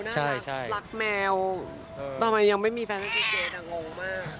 จริงดูนะครับรักแมวทำไมยังไม่มีแฟนกับพี่เจ๊น่างงมาก